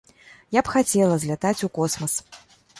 Я б хацела злятаць у космас.